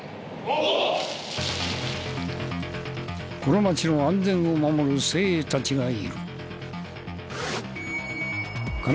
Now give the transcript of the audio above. この街の安全を守る精鋭たちがいる。